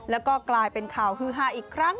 แล้วก็กลายเป็นข่าวฮือฮาอีกครั้ง